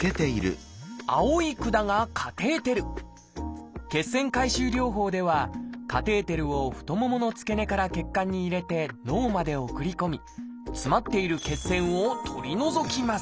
青い管が血栓回収療法ではカテーテルを太ももの付け根から血管に入れて脳まで送り込み詰まっている血栓を取り除きます。